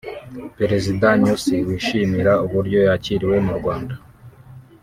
Perezida Nyusi wishimira uburyo yakiriwe mu Rwanda